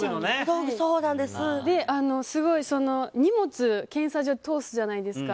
で、荷物を検査場に通すじゃないですか。